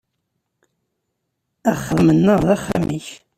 Axxam-nneɣ d axxam-ik.